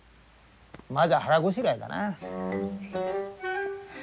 まずは腹ごしらえだな。